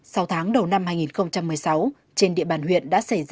sau tháng đầu năm hai nghìn một mươi sáu trên địa bàn huyện đã xảy ra